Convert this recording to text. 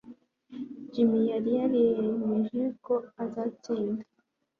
Jim yari yariyemeje ko azatsinda